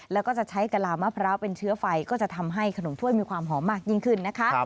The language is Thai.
แล้วก็จะใช้กะลามะพร้าวเป็นเชื้อไฟก็จะทำให้ขนมถ้วยมีความหอมมากยิ่งขึ้นนะคะ